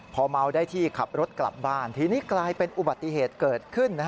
พอเมาได้ที่ขับรถกลับบ้านทีนี้กลายเป็นอุบัติเหตุเกิดขึ้น